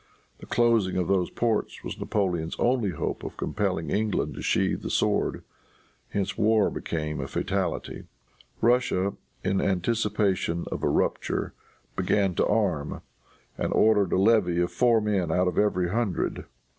The closing of those ports was Napoleon's only hope of compelling England to sheathe the sword. Hence war became a fatality. Russia, in anticipation of a rupture, began to arm, and ordered a levy of four men out of every hundred.